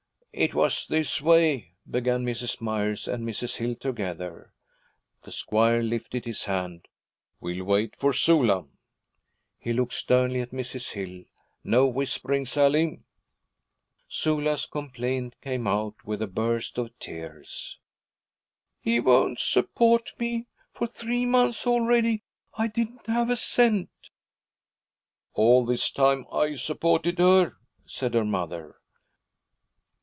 'It was this way,' began Mrs. Myers and Mrs. Hill, together. The squire lifted his hand. 'We will wait for Sula.' He looked sternly at Mrs. Hill. 'No whispering, Sally!' Sula's complaint came out with a burst of tears. 'He won't support me. For three months already I didn't have a cent.' 'All this time I supported her,' said her mother.